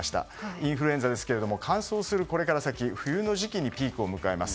インフルエンザですけれども乾燥するこれから先冬の時期にピークを迎えます。